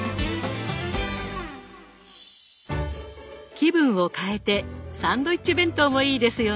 気分を変えてサンドイッチ弁当もいいですよね。